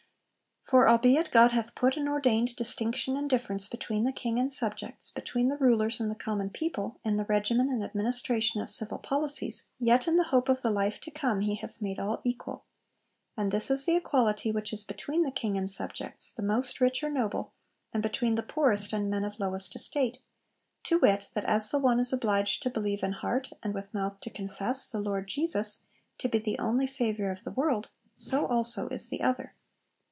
For albeit God hath put and ordained distinction and difference between the king and subjects, between the rulers and the common people, in the regimen and administration of civil policies, yet in the hope of the life to come He hath made all equal.... And this is the equality which is between the king and subjects, the most rich or noble, and between the poorest and men of lowest estate; to wit, that as the one is obliged to believe in heart, and with mouth to confess, the Lord Jesus to be the only Saviour of the world, so also is the other.'